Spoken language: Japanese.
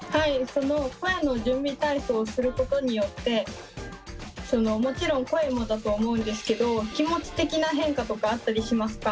その声の準備体操をすることによってもちろん声もだと思うんですけど気持ち的な変化とかあったりしますか？